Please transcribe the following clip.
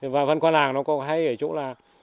và quan làng nó có hay ở chỗ là chỉ có hát thôi không có nói